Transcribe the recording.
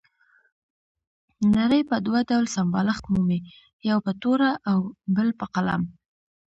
نړۍ په دوه ډول سمبالښت مومي، یو په توره او بل په قلم.